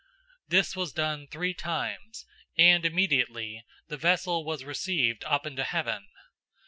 010:016 This was done three times, and immediately the vessel was received up into heaven.